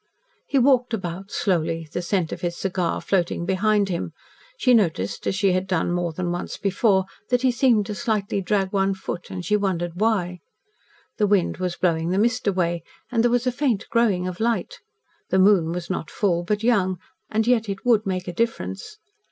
He walked about slowly, the scent of his cigar floating behind him. She noticed, as she had done more than once before, that he seemed to slightly drag one foot, and she wondered why. The wind was blowing the mist away, and there was a faint growing of light. The moon was not full, but young, and yet it would make a difference.